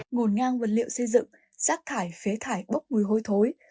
ngổn ngang vật liệu xây dựng rác thải phế thải bốc mùi hôi thối